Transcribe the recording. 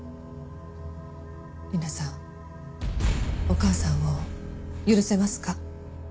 理奈さんお母さんを許せますか？